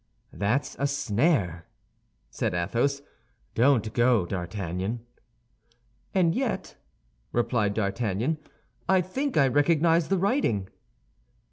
"That's a snare," said Athos; "don't go, D'Artagnan." "And yet," replied D'Artagnan, "I think I recognize the writing."